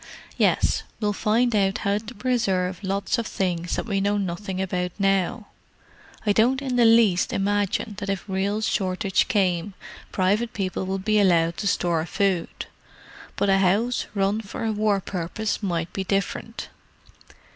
"Yes. We'll find out how to preserve lots of things that we know nothing about now. I don't in the least imagine that if real shortage came private people would be allowed to store food; but a house run for a war purpose might be different.